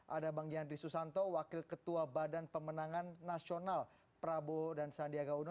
ada bang yandri susanto wakil ketua badan pemenangan nasional prabowo dan sandiaga uno